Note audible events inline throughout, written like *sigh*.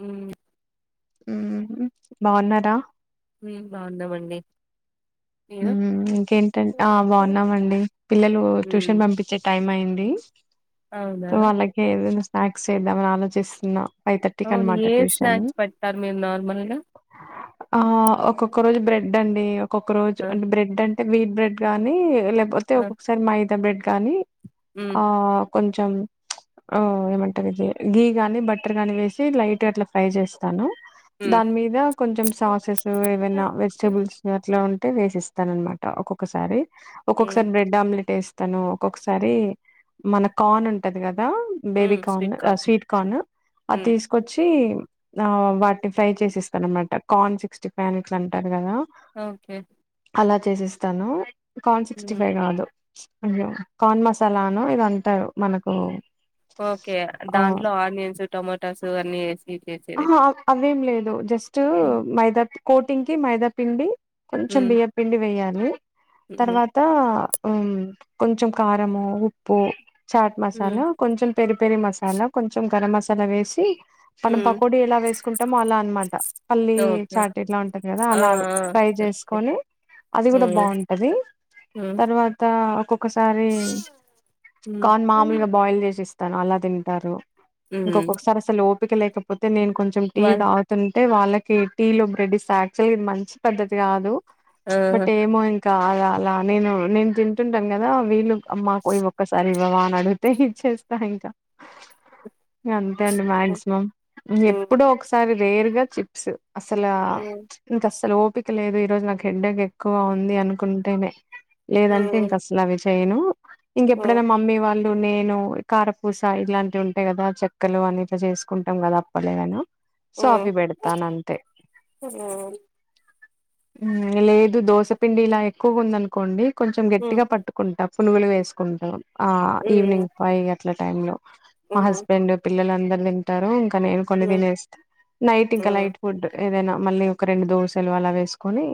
హ్మ్ హ్మ్ బాగున్నారా హ్మ్ బాగుంనమండి హ్మ్ ఇంకేంటంటే ఆ బాగున్నామండి పిల్లలు ట్యూషన్ హ్మ్ పంపించే టైం అయింది డి అవునా సో వాళ్ళకి ఏదైనా స్నాక్స్ చేద్దామని ఆలోచిస్తున్నా ఫైవ్ థర్టీకి అవును అనమాట ఏ ట్యూషన్ స్నాక్స్ పెడతారు మీరు నార్మల్గా ఆ ఒక్కొక్క రోజు బ్రెడ్ అండి ఒక్కొక్క రోజు ఆ అంటే బ్రెడ్ అంటే వీట్ బ్రెడ్ గానీ లేపోతే ఆ ఒక్కొక్కసారి మైదా బ్రెడ్ గాని హ్మ్ ఆ కొంచెం ఆహ్ ఏమంటారు ఇది గీ గాని బట్టర్ గాని వేసి లైట్ గా అట్లా ఫ్రై చేస్తాను హ్మ్ దాని మీద కొంచెం సాసెస్ ఏవనా వెజిటబుల్స్ అట్లా ఉంటేే వేస్ స్తానన్నమాట ఒక్కొక్కసారి హ్మ్ ఒక్కొక్కసారి బ్రెడ్ ఆమ్లెట్ ఏస్ తను ఒక్కొక్కసారి మన కాన్ ఉంటది కద్ దా బేబీ హ్మ్ కార్న్ స్వీట్ స్వీట్ కార్న్ అది హ్మ్ తీసుకొచ్చి ఆ వాట్ని ఫ్రై చేసి ఇస్తాను అనమాట కాన్ సిక్స్టీ ఫైవ్ అని ఇట్లా అంటారు కదా ఓకే అలా చేసిస్స్తాను కాన్ సిక్స్టీ హ్మ్ ఫైవ్ కాదు అయ్యో కార్న్ మసాలానో ఏదో అంటారు మనకు ఓకే ఆ దాంట్లో ఆనియన్స్ టొమటాస్ అన్ని ఏసి చేసేది ఆహా అవేం లేదు జస్ట్ హ్మ్ మైదా కోటింగ్కికి మైదా పిండి కొంచెం బియ్య పిండి వేయ్యాలి హ్మ్ తర్వాత హ్మ్ కొంచెం కారము ఉప్పు చాట్ మసాలా హ్మ్ కొంచెం పెరి పెరి మసాలా కొంచెం గరం మసాలా వేసి మనం హ పకోడీ ఎలా వేసుకుంటామో అలా అనమాట పల్లీ ఓకే చాట్ ఎట్ల ఉంటది కదా ఆ అలా ఆ ఫ్రై ఓకే ఓకే చేసుకొని అది కూడా హ్మ్ బాగుంటది హ్మ్ తర్వాత ఆ ఒక్కొక్కసారి హ్మ్ కాన్ మామూలుగా బాయిల్ చేసి ఇస్తాను అలా తింటారు హ్మ్ ఇంకొకొక్కసారి అసలు ఓపిక లేకపోతే నేను కొంచెం టీ వాళ్ళ్ తాగుతుంటే అంటే వాళ్ళకి టీ లు బ్రెడ్ స్నాక్స్ లు ఇది మంచి పద్ధతి కాదు ఆ బట్ ఏమో ఇంకా అలా అలా నేను నేను తింటుంటాను కదా వీళ్ళు అమ్మ ఈ ఒక్కసారి ఇవ్వవా అని అడిగితే ఇచ్చేస్తా ఇంక అంతే అంతే అండి మాక్సిమం హ్మ్ ఎప్పుడో ఒకసారి రేరు గా చిప్స్ అసల హ్మ్ ఇంక అసలు ఓపిక ఓపిక లేదు ఈ రోజు నాకు హెడ్డేక్ ఎక్కువ ఉంది అనుకుంటేనే లేదంటే హ్మ్ ఇంక అసలు అవి చేయను హ్మ్ ఇంకెప్పుడైనా మమ్మీ వాళ్ళు ఇప్పుడు నేను కారపూస ఇలాంటివి ఉంటాయి కదా చెక్కలు అని ఇట్ల చేసుకుంటాం కదా అప్పలేమైనా సో అవును అవిబెడతానంతే ఉ లేదు దోసపిండి ఇలా ఎక్కువగా ఉందనుకోండి కొంచెం గట్టిగా పట్టుకుంటాం పునుగులు వేసుకుంటాం ఆ ఈవినింగ్ పైవ్ అట్ల టైం లో మా హస్బెండ్ పిల్లలు అందరు ంద తింటారు ఇంకా నేను కొని తినేస్త నైట్ ఇంకా లైట్ ఫుడ్ ఏదైనా మళ్ళీ ఒక రెండు దోసలు అలా వేసుకొని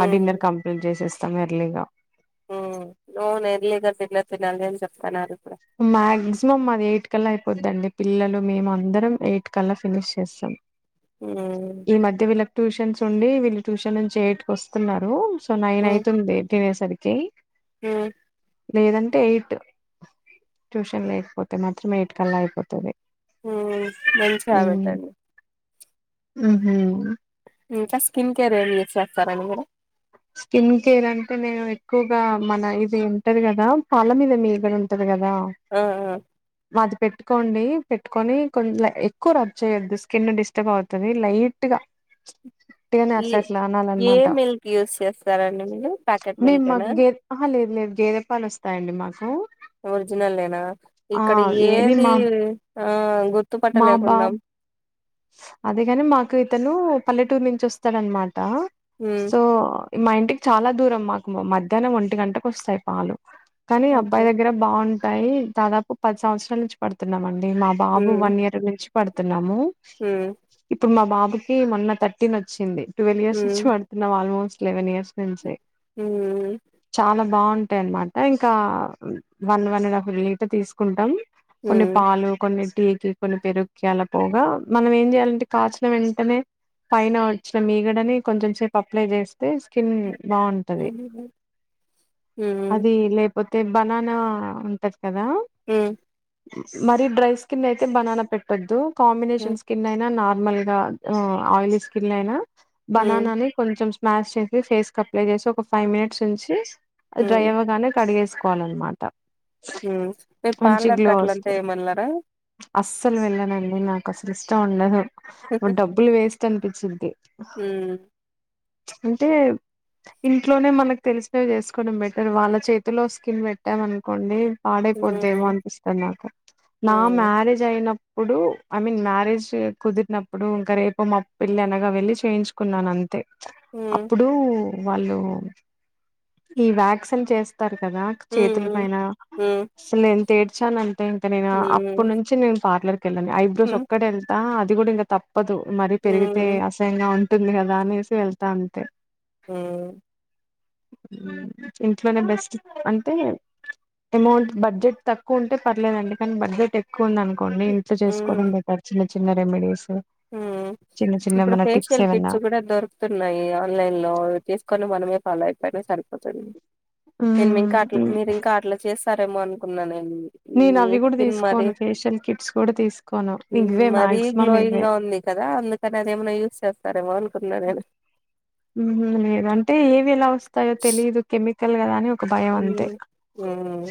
ఆ డిన్నర్ కంప్లీట్ చేసేస్తాం ఎర్లీగా ఉ *unintelligible* నవును ఎర్లీగ తిన్న తినాలి అని చెపుతున్నారు. మాక్సిమం మాది ఎయిట్ కల్లా అయిపోద్దండి పిల్లలు మేము అందరం ఎయిట్ కల్లా ఫినిష్ చేస్తాం ఆ ఈ మధ్య వీళ్ళకి ట్యూషన్స్ ఉండి వీళ్ళు ట్యూషన్ నుంచి ఎయిట్కి వస్తున్నారు సో నైన్ అయితుంది తినేసరికి ఆ లేదంటే ఎయిట్ ట్యూషన్ లేకపోతే మాత్రం ఎయిట్ కల్లా అయిపోతది మంచి హ్యాబిటండి అహ ఇంకా స్కిన్ కేర్ ఏమి యూస్ చేస్తారండి మీరు స్కిన్ కేర్ అంటే నేను ఎక్కువగా మన ఇది ఉంటది కదా పాల మీద మీగడ ఉంటది కదా ఆ ఆ మాది పెట్టుకోండి పెట్టుకొని కొం ఎక్కువ రబ్ చేయొద్దు స్కిన్ డిస్టర్బ్ అవుతది లైట్ గా ఉట్టిగనె ఈ అట్లా అట్లా అనాల ఏ అనమాట మిల్క్ యూస్ చేస్తారండి మీరు ప్యాకెట్ మిల్కెనా మాకు గే ఆహా లేదు లేదు గేదె పాలు వస్తాయండి మాకు ఒరిజినల్ ఏనా ఆ ఇక్కడ ఏది మా ఆ మా గుర్తుపట్టలేక బా ఉన్నాం అదేగాని మాకు ఇతను పల్లెటూరు నుంచి వస్తాడనమాట సో మా ఇంటికి చాలా దూరం మాకు మధ్యాహ్నం ఒంటి గంటకు వస్తాయి పాలు కానీ ఓకే అబ్బాయి దగ్గర బాగుంటాయి దాదాపు పది సంవత్సరాల నుంచి పడుతున్నామండి మేం మా బాబు వన్ ఇయర్ నుంచి పడుతున్నాము హ ఇప్పుడు మా బాబుకి మొన్న థర్టీన్ వచ్చింది ట్వల్వ్ ఇయర్స్ నుంచి ఉమ్, వాడుతున్నాము ఆల్మోస్ట్ లెవెన్ ఇయర్స్ నుంచి హ బావుంటాయి అన్నమాట ఇంకా one one and half litre తీసుకుంటాం కొన్ని ఉమ్. పాలు కొన్ని టీకి కొన్ని పెరుకి అలా పోగా మనం ఏం చేయాలంటే కాచిన వెంటనే పైన వచ్చిన మీగడని కొంచెం సేపు అప్లై చేస్తే స్కిన్ బాగుంటది హ్మ్ హ్మ్ అది లేపు పోతే బనానా ఉంటది కదా ఊ మరి డ్రై స్కిన్ అయితే బనానా పెట్టద్దు హ్మ్ కాంబినేషన్స్ నైనా నిర్మల్ గా ఆయిలి స్కిన్ అయిన బనానా ని కొంచెం మ్యాష్ చేసి ఫేస్ కి అప్లై చేసి ఒక ఫైవ్ మినిట్స్ వుంచి డ్రై హ్మ్ అవ్వగానే కడిగేసి కోవాలన్మాట ఊ మీరు పార్లర్ కట్లా అంతా వస్తది ఏమెల్లరా అస్సలు వెళ్ళనండి నాకు అసలు ఇష్టం ఉండదు డబ్బులు వేస్ట్ అనిపించ్చిద్ది ఊ అంటే ఇంట్లోనే మనకు తెలిసినవి జేసుకోవడం బెటర్ వాళ్ళ చేతిలో స్కిన్ బెట్టామనుకోండి పాడైపోద్దేమో హ్మ్. అనిపిస్తది నాకు నా హ్మ్. మ్యారేజ్ అయినప్పుడు ఐ మీన్ మ్యారేజ్ కుదిరినప్పుడు ఇంకా రేపు మాప్ పెళ్లి అనగా వెళ్ళి చేయించుకున్నాను అంతే హ్మ్. అప్పుడు వాళ్ళు ఈ వ్యాక్సిన్ చేస్ తారు కదా చేతుల హ్మ్. పైన హ్మ్. అసల్ ఎంత ఏడ్చాను ఆన్ అతే నేను అప్పటి హ్మ్. నుంచి నేను పార్లర్ కి వెళ్ళను ఐబ్రోస్ హ్మ్. ఒక్కటె వెళ్తా అది గూడా ఇంకా తప్ తప్పదు మరీ పెరిగితే హ్మ్. అసహ్యంగా ఉంటుంది కదా అనేసి వెళ్తా అంతే ఊ ఇంట్లోనే బెస్ట్ అంటే అమౌంట్ బడ్జెట్ తక్కువ ఉంటే పర్లేదండి కానీ బడ్జెట్ ఎక్కువ ఉందను కొండి ఇంట్లో చేసుకోవడం హ్మ్. బెటర్ చిన్న చిన్న రెమెడీస్ హ్మ్. చిన్న చిన్న ఇప్పుడు మన టిప్స్ ఫేషియల్ ఏమన్నా కిట్స్ కూడా దొరుకుతున్నాయి ఆన్లైన్ లో తీసుకొని మనమే ఫాలో అయిపోయిన సరిపోతది నేను ఇంకా అట్ల మీరి ఇంకా అట్లా చేస్ రేమో అనుకున్నా నేను నేను మీ అవి కూడా స్కిన్ మరీ తీసుకోను ఫేషియల్ కిట్స్ కూడా తీసుకోను ఇవే మరీ మాక్సిమం గ్లోయింగ్ ఇవే గా ఉ ంది కదా అందుకని అదేమైనా యూజ్ చేస్తారేమో అనుకున్నా నేను ఊ హు లేదు అంటే ఏవి ఎలా వస్తాయో తెలీదు కెమికల్ కదా అని భయం అంతే ఉమ్ ఉమ్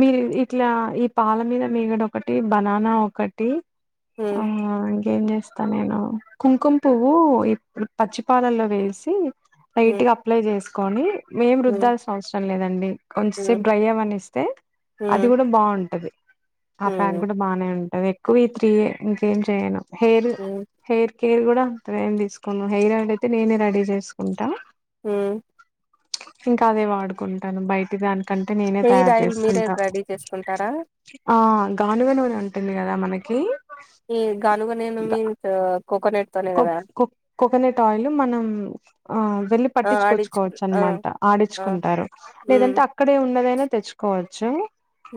మీరు ఇట్లా ఈ పాల మీద మేగడ ఒకటి బనానా ఒకటి ఆ ఉమ్ అ ఏం చేస్తా నేను కుంకుమ పువ్వు ఇప్పుడు పచ్చిపాలల్లో వేసి టైట్ గ అప్లై చేసుకొని ఏం ఉమ్ రుద్దాల్సిన అవసరం లేదండి కొంచంసేపు ఉమ్ డ్రై అవ్వనిస్తే అది ఉమ్ కూడా బాగుంటది ఆ ఉమ్ ప్యాక్ ఉమ్ కూడా బానే ఉంటది ఎక్కువ ఈ త్రీ ఇంకేం చేయను హెరు ఉమ్ హేర్ హెర్ కూడా అంతగ ఎం తీసుకొను హెయిర్ ఆయిల్ అయితే నేనే రెడీ చేసుకుంటా ఊ ఇంకా అదే వాడుకుంటాను బయటి దానికి అంత నేనే హెయిర్ తయారు ఆయిల్ మీరే చేసుకుంటా రెడీ చేసుకుంటారా ఆ గానుగా నూనె ఉంటుంది గదా మనకి ఈ గానుగ నూనె మీన్స్ కోకోనట్ తోనే కోబ్ కదా కోబ్ కోకనట్ ఆయిల్ మనం ఆ వెళ్లి ఆ ఆడించు పట్టిచ్చుకొచ్చుకోవచ్చు ఆ అనమాట ఆ అడిచ్చుకుంటారు ఉమ్ లేదంటే అక్కడే ఉన్ ఉన్నదైనా తెచ్చుకోవచ్చు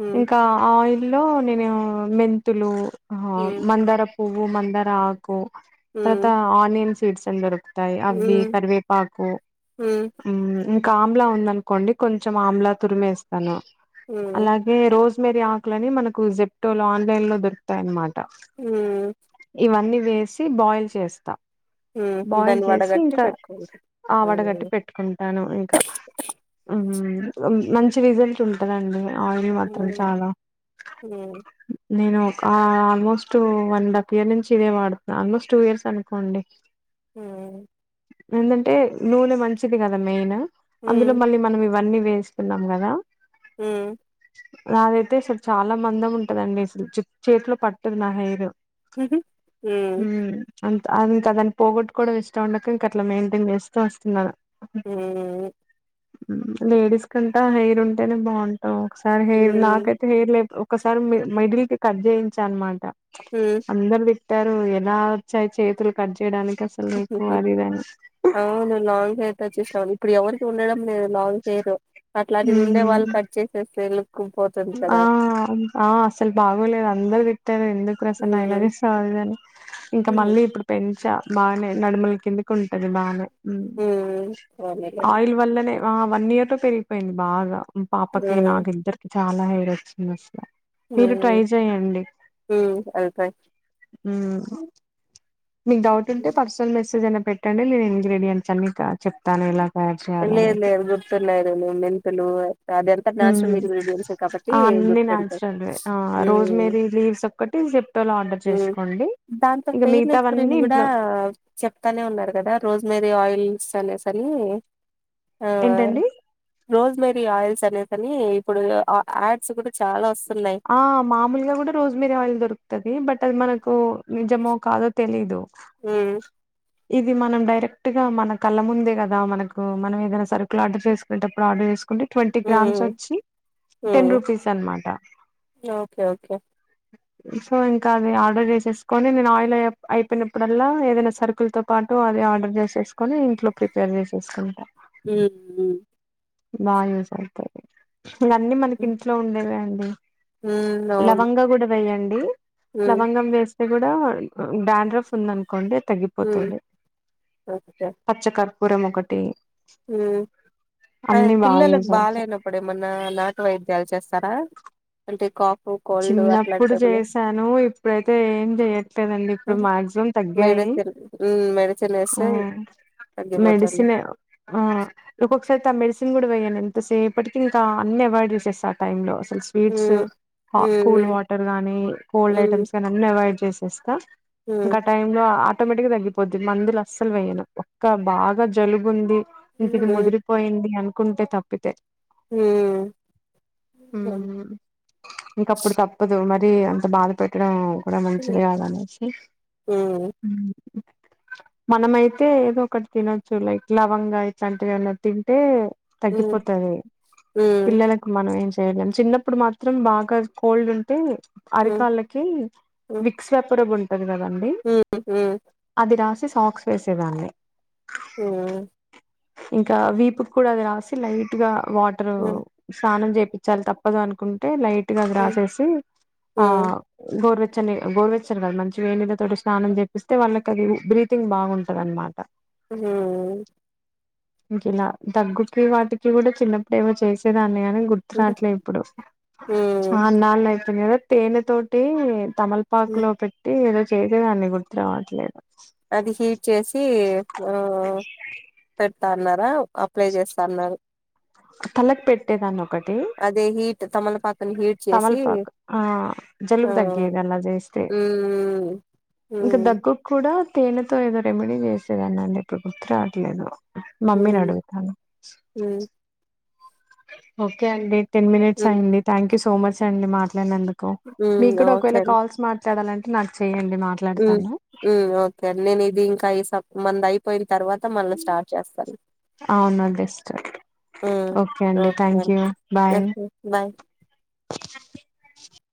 ఉమ్ ఇంకా ఆయిల్ లో నేను మెంతులు ఆ ఉమ్ మందార పూవు మందార ఆకు తరువాత ఉమ్ ఆనియన్ సీడ్స్ అని దొరుక్ తాయి అవి ఉమ్ కవేపాకు ఉమ్ ఊ.. ఉ ఆమ్లా ఉందనుకోండి కొంచెం ఆమ్లా తురిమేస్తాను ఉమ్ అలాగే రోజు రోజ్ మేరీ ఆకులని మనకు జెప్టో లో ఆన్లైన్ లో దొతాయన్నమాట ఉమ్ ఇవన్ని వేసి బాయిల్ చేస్తా ఉమ్ బాయిల్ దాన్ని చేసి వడగట్టి ఇంకా పెట్టుకుంటారు ఆవడ గట్టి ఉమ్ పెట్టుకుంటాను ఇంకా ఉ హు మంచి రిజల్ట్ ఉంటదండి ఆయిల్ మాత్రం ఉమ్ చాలా ఉమ్ నేను ఆ almost one and half year నుంచి ఇదే వాడుతున్నాను ఆల్మోస్ట్ టూ ఇయర్స్ అనుకోండి ఊ ఏందంటే నూనె మంచిది కదా మెయిన్ ఉమ్ అందులో మళ్ళీ మనం ఇవన్నీ వేస్తున్నాం గదా ఊ నాదైతే అసలు చాలా మందం ఉంటదండి అసలు జుట్ చేతిలో పట్టదు నా హెయిర్ ఉ హు.. ఊ హ్మ్ అంత అంత దాన్ని పోగొటువడం ఇష్టం ఉండక ఇంక అట్లా మెయింటైన్ చేస్తూ వస్తున్నా ఊ.. ఉ లేడీస్ కంటా హెయిర్ ఉంటేనే బాగుంటాం ఒకసారి హెయిర్ హ్మ్. నాకైతే హెయిర్ లేపొ ఒకసారి మి మిడిల్ ది కట్ చేయించ అన్నమాట హ్మ్. అందరు తిట్టారు ఎలా క్ వచ్చాయి చేతులు కట్ చేయడానికి అసలు నీకు అది ఇదని అవును లాంగ్ హేర్ కట్ చేేసినాను ఇప్పుడు ఎవరికి ఉండడం లేను లాంగ్ హెయిర్ అట్లాంటిది ఉండే వాళ్ళు హ్మ్ కట్ చేసేస్తేళ్ళ ఆ ఆ అసలు బాగోలేదు అందరుూ తిట్టారు ఎందుకు ప్రసన్న ఇలా హ్మ్. చేసావని అది ఇది అని ఇంకా హ్మ్. మళ్ళీ ఇప్పుడు పెంచా బాగానే నడుములు కిందికి ఉంటది బాగానే హ్మ్. పోనీలెండి. ఆయిల్ వల్లనే ఆ వన్ ఇయర్ తో పెరిగిపోయింది బాగా పాపకి హ్మ్. నాకు ఇద్దరికి చాలా హెర్ వచ్చింది మీరు ట్రై హ్మ్. చెయండి హ్మ్. అది ట్రై మీకు డౌట్ ఉంటే పర్సనల్ మెసేజ్ అయినా పెట్టండి నేను ఇంగ్రీడియంట్స్ అన్ని క చెప్తాను ఇలా ఏ లేదు లేదు గుర్తు ఉన్నాయి ర మెంతులు *unintelligible* ఇంగ్రీడియెంట్సే కాబట్టి ఆ అన్ని గుర్తుంటాయి. నాచురల్ వే ఆ రోజ్ హ్మ్. మేరీ లీవ్స్ ఒక్కటి జెప్టో లా ఆర్డర్ ఉమ్ చేసుకోండి దాంతో ఇంకా ఫేర్నెస్ క్రీమ్ మిగతావన్నీ గుడా ఇంట్లో చెప్తానే ఉన్నారు కదా రోజ్ మరీ ఆయిల్స్ అనే సరి ఆ ఏంటండి రోస్ మెరీ ఆయిల్స్ కనే కాని ఇప్పుడు అ యాడ్స్ కూడా చాలా వస్తు ఆ మామూలుగా కూడా రోజ్ మీర ఆయిల్ దొరుకుతది బట్ అది మనకు నిజమో కాదో తెలీదు ఊ ఇది మనం డైరెక్ట్ గా మన కళ్ళ ముందే కదా మనకు మనం ఏదైనా సరుకులు ఆర్డర్ చేసుకునేటప్పుడు ఆర్డర్ చేసుకు ట్వంటీ గ్రామ్స్ ఉమ్ వచ్చి టెన్ ఉమ్ రూపీస్ అనమాట ఓకే ఓకే సో ఇంకా అది ఆర్డర్ చేసేసుకొని నేను ఆయిల్ ఆయప్ అయిపోయినప్పుడల్లా ఏదైనా సరు కులతో పాటు అది ఆర్డర్ చేసేసుకుని ఇంట్లో ప్రిపేర్ చేసేసుకుంటా ఊ.. ఊ బాగా యూస్ అవుతాయి అన్నీ మనకి ఉమ్ ఇంట్లో ఉండేవే అండి ఉమ్ అవును లవంగ కూడా వేయండి ఉమ్ లవంగం వేస్త అది కూడా డాండ్రఫ్ ఉంద అనుకోండి త్ ఉమ్ పోతుంది పచ్చ కర్పూరం ఒకటి ఊ అన్ని బాగా పిల్లలకు యూజ్ అవుతాయి బాలేనప్పుడు ఏమన్నా నాటు వైద్యాలు చేస్తారా అంటే కాఫ్ కోల్డ్ అట్లాంటి చిన్నప్పుడు ఏమన్నా జేసాను ఇప్పుడైతే ఏం చెయట్లేదండి ఇప్పుడు మాక్సిమం తగ్గాయి పెరుగు మడ ఛన్ వేస్తే తగ్గిపోతుంది మెడిసిన్ ఆ ఒక్కొక్కసారితే ఆ మెడిసిన్ కూడా వయ్యాను ఎంతసేపటికి ఇంకా అన్ని అవాయిడ్ చేసేస్తా ఆ టై లో స్వీట్స్ హ్మ్. కూల్ హ్మ్. వాటర్ గానీ కోల్డ్ హ్మ్. ఐటమ్స్ గాని అన్న అవాయిడ్ చేసేస్తా హ్మ్. ఇంకా టైమ్ లో ఆటోమేటిక్గా తగ్గిపోద్ది మందులు అస్సలు వేయను ఒక్క బాగా జలుగుంది ఇంక ఇది హ్మ్. ముదిరిపోయింది అనుకుంటే తప్పితే మ్మ్ హ్ హ్మ్ ఇంక అప్పుడు తప్పదు మరి అంత బాధ పెట్టడం ఇగ హ్మ్. మంచిది కాదనేసి హ్మ్. మనమైతే ఏదో ఒకటి తినొచ్చు లైక్ లవంగా ఇట్లాంటివేమన్నా తింటే హ్మ్. తగ్గిపోతది హ్మ్. పిల్లలకు మనం ఏం చేయలేం చిన్నప్పుడు మాత్రం మాత్రం బాగా కోల్డ్ ఉంటే హ్మ్. హ్మ్. అరికాళ్ళకి హ్మ్. విక్స్ వేపరబ్ ఉంటా ది గదండి హ్మ్. హ్మ్. అది రాసేసి సాక్స్ వేసేదాన్ని హ్మ్. ఇంకా వీపు మీద కూడా అది రాసి లైట్ గా వాటర్ హ్మ్. స్నానం చెపిస్తాను తప్పదు అనుకుంటే లైట్ గా హ్మ్. రాసేసి ఆ హ్మ్. గొరు వెచ్చటి గోరువెచ్చని కాదు మంచి వేడి నీళ్లతోటి స్నానం చేపిస్తే వాళ్ళకి బ్రీతింగ్ బాగుంటది అన్నమాట‌. ఇంక ఇలా దగ్గుకి వాటికి కూడా చిన్నప్పుడు అవి చేసేదాన్ని హ్మ్. గుర్తునట్లే ఇప్పుడు హ్మ్. చాలా సంవత్సరాలు అవుతుంది కదా తేనె తోటి తమల్పాకు హ్మ్. లో పెట్టి ఏదో చేసేదాన్ని గుర్తు రావట్లేదు అది హీట్ చేసి వస్తా అన్నారు అప్లై చేస్తా అన్నారు తలకు పెట్టె దాన్ని ఆప్పుడు అదే హీట్ తమలపాకుని హీట్ చేసి తమలపాకు తో జలుబు తగ్గేది అలా చేస్తే మ్మ్ హ్హ్ ఇంకా దగ్గుకు కూడా తేనెతో ఏదో రెమెడీ చేసేదాన్ని అండి ఇప్పుడు గుర్తు రావట్లేదు మమ్మీని అడుగుతా మ్మ్ హ్ ఓకే అండి టెన్ మినిట్స్ హ్మ్. అయింది థ్యాంక్ యూ సో మచ్ అండి మాట్లా డినందుకు హ్మ్. మీకు కూడా ఓకే ఒకవేళ కాల్స్ మాట్లాడాలంటే నాకు చేయండి. మ్మ్ మ్మ్ ఓకే నేను ఇది ఇంకా ఇ సబ్ మనది అయిపోయక తర్వాత మళ్ళ స్టార్ట్ చేస్తాను అవును బెస్ట్ మ్మ్ ఓకే అండి okay thank you bye okay bye *unintelligible*